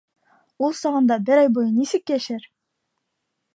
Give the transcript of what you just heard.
Ул сағында бер ай буйы нисек йәшәр?